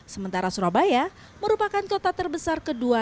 sementara surabaya merupakan kota terbesar kedua